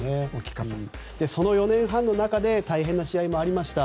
その４年半の中で大変な試合もありました。